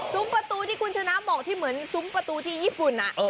ประตูที่คุณชนะบอกที่เหมือนซุ้มประตูที่ญี่ปุ่น